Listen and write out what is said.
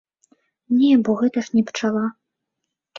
Не, бо гэта ж не пчала.